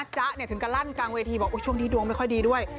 จ๊ะแล้วกลั่นกลางเวทีสิ่งว่าช่วงนี้ดวงไม่ดีด้วย